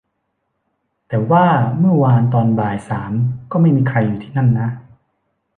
แต่ว่าเมื่อวานตอนบ่ายสามก็ไม่มีใครอยู่ที่นั่นนะ